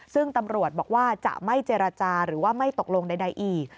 ซึ่งตำรวจบอกว่าจะไม่เจรจาหรือว่าไม่ตกลงใดอีก